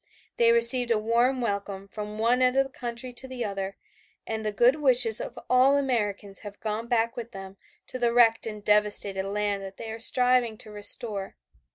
They received a warm welcome from one end of the country to the other and the good wishes of all Americans have gone back with them to the wrecked and devastated land that they are striving to restore.